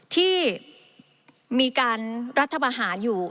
ที่มีการรัฐบาหารอยู่